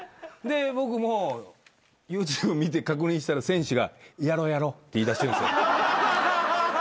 で僕もＹｏｕＴｕｂｅ見て確認したら選手が「やろうやろう」って言いだしてるんですよ。